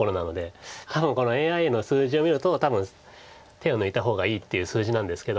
多分このＡＩの数字を見ると多分手を抜いた方がいいっていう数字なんですけど。